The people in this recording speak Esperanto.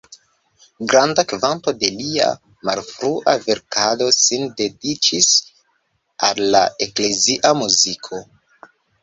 Granda kvanto de lia malfrua verkado sin dediĉis al la eklezia muziko.